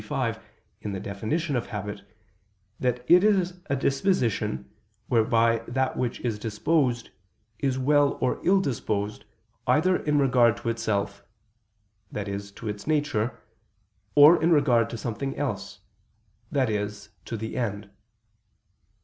25) in the definition of habit, that it is a disposition whereby that which is disposed, is well or ill disposed either in regard to itself, that is to its nature, or in regard to something else, that is to the end.